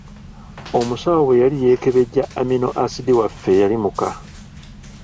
Omusawo bwe yali yeekebejja amino asidi waffe yali muka.